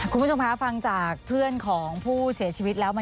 คุณผู้ชมคะฟังจากเพื่อนของผู้เสียชีวิตแล้ว